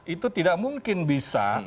itu tidak mungkin bisa